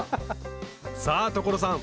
さぁ所さん！